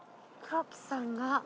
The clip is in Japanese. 黒木さんが。